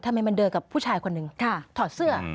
ทำไมมันเดินกับผู้ชายคนหนึ่งถอดเสื้อ